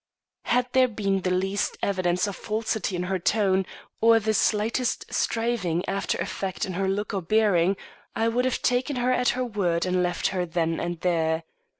Had there been the least evidence of falsity in her tone or the slightest striving after effect in her look or bearing, I would have taken her at her word and left her then and there.